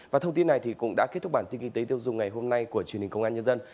và thông tin này cũng đã kết thúc bản tin kinh tế tiêu dùng ngày hôm nay của truyền hình công an nhân dân